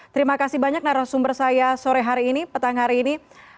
terima kasih banyak narasumber saya sore hari ini petang hari ini